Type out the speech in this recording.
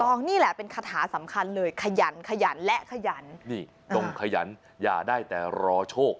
นี่แหละเป็นคาถาสำคัญเลยขยันขยันและขยันนี่ต้องขยันอย่าได้แต่รอโชค